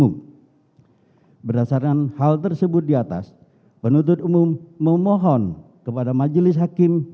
untuk penutup umum berdasarkan hal tersebut di atas penutup umum memohon kepada majelis hakim